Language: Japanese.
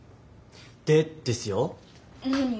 でですよ。何？